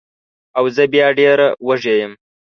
او زه بیا ډېره وږې یم